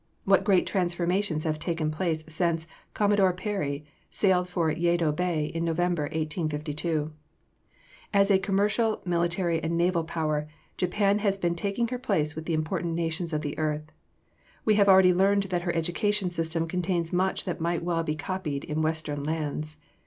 What great transformations have taken place since Commodore Perry sailed for Yedo Bay in November, 1852! As a commercial, military, and naval power Japan has been taking her place with the important nations of the earth. We have already learned that her educational system contains much that might well be copied in Western lands.